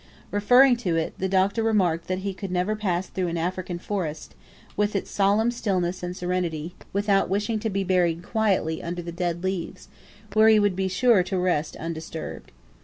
Referring to it, the Doctor remarked that he could never pass through an African forest, with its solemn stillness and serenity, without wishing to be buried quietly under the dead leaves, where he would be sure to rest undisturbed.